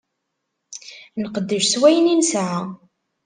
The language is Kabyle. Nqeddec s wayen i nesɛa.